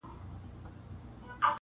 • چي د ده عاید څو چنده دا علت دی..